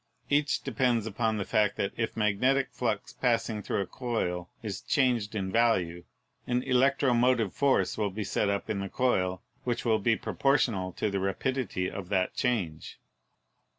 Each depends upon the fact that if the magnetic flux passing through a coil is changed in value, an electromotive force will be set up in the coil which will be proportional to the rapidity of that change.